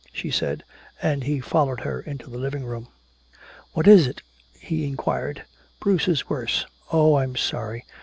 she said, and he followed her into the living room. "What is it?" he inquired. "Bruce is worse." "Oh I'm sorry.